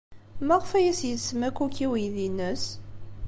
Maɣef ay as-isemma Cook i uydi-nnes?